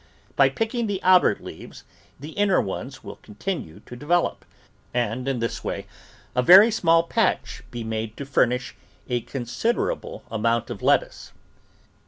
By picking the outer leaves the inner ones will continue to develop, and in this way a very small patch be made to furnish a considerable amount of lettuce.